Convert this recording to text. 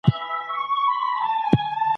زه غواړم چي تاسي بېدېدلي سواست.